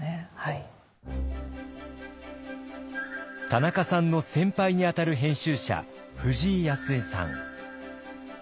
田中さんの先輩に当たる編集者藤井康栄さん。